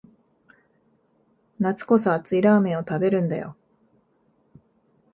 夏こそ熱いラーメンを食べるんだよ